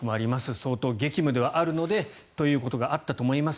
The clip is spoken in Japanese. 相当激務ではあるのでということがあったと思います。